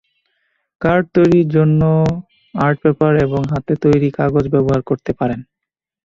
Card তৈরির জন্য art paper এবং হাতে তৈরি কাগজ ব্যবহার করতে পারেন।